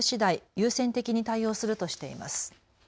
優先的に対応するとしています。